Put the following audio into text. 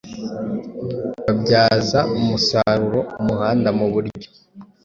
babyaza umusaruro umuhanda mu buryo